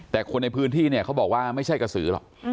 แต่คนในพื้นที่เนี่ยเขาบอกว่าไม่ใช่กระสือหรอก